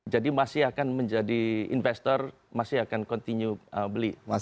jadi masih akan menjadi investor masih akan continue beli